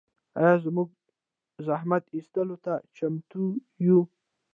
آیا موږ زحمت ایستلو ته چمتو یو؟